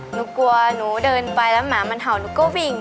หนูกลัวหนูเดินไปแล้วหมามันเห่าหนูก็วิ่ง